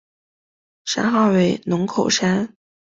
山号为龙口山。